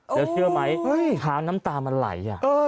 แล้วเชื่อไหมค้างน้ำตามันไหล